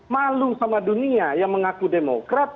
malu sama dunia yang mengaku demokrat